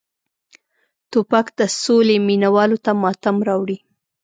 توپک د سولې مینه والو ته ماتم راوړي.